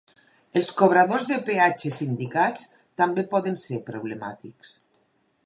Els cobradors de peatge sindicats també poden ser problemàtics.